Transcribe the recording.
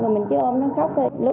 mình chứ ôm nó khóc thôi